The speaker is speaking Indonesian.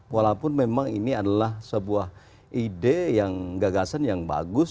walaupun memang ini adalah sebuah ide yang gagasan yang bagus